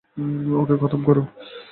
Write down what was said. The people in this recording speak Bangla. ওকে খতম করো!